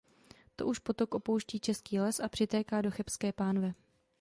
To už potok opouští Český les a přitéká do Chebské pánve.